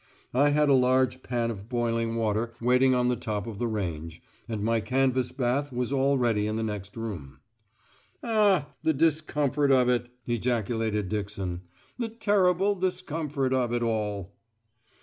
I had a large pan of boiling water waiting on the top of the range, and my canvas bath was all ready in the next room. "Ah! the discomfort of it!" ejaculated Dixon. "The terrible discomfort of it all!"